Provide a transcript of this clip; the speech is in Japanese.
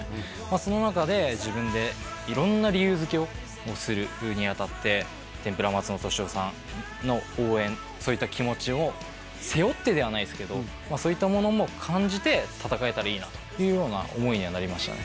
その中で自分で色んな理由づけをするにあたって天ぷら松の俊雄さんの応援そういった気持ちも背負ってではないですけどそういったものも感じて戦えたらいいなというような思いにはなりましたね